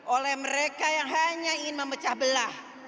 oleh mereka yang hanya ingin memecah belah